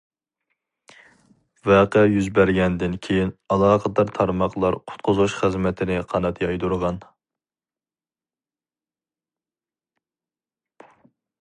ۋەقە يۈز بەرگەندىن كېيىن، ئالاقىدار تارماقلار قۇتقۇزۇش خىزمىتىنى قانات يايدۇرغان.